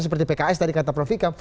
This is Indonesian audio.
seperti pks dari kata prof vika